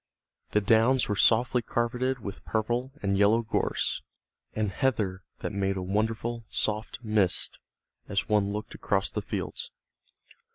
The downs were softly carpeted with purple and yellow gorse and heather that made a wonderful soft mist as one looked across the fields.